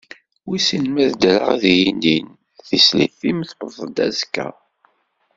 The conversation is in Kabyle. Wissen ma ad ddreɣ ad iyi-inin, tislit-im tewweḍ aẓekka.